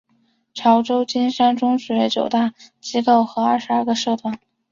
潮州金山中学九大机构和二十二个社团。